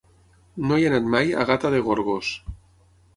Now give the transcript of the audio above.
No he anat mai a Gata de Gorgos.